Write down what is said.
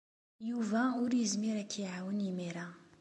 Yuba ur yezmir ad k-iɛawen imir-a.